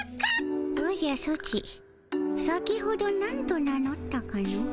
おじゃソチ先ほどなんと名のったかの？